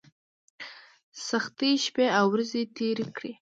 سختۍ شپې او ورځې تېرې کړې.